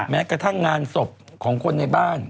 มีท่านงานศพของคนในบ้าน